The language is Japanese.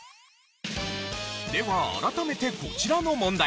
では改めてこちらの問題。